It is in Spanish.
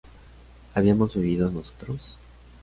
¿habíamos bebido nosotros?